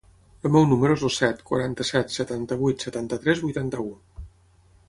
El meu número es el set, quaranta-set, setanta-vuit, setanta-tres, vuitanta-u.